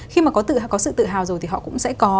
khi mà có sự tự hào rồi thì họ cũng sẽ có